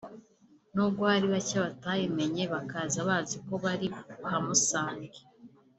nubwo hari bacye batayimenye bakaza bazi ko bari buhamusange